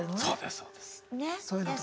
そうですそうです。